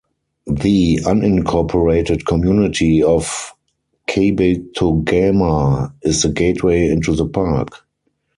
The unincorporated community of Kabetogama is the gateway into the park.